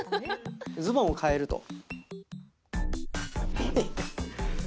ズボンを替えると。